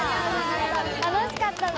楽しかったです。